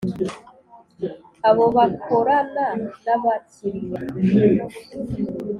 abo bakorana n abakiliya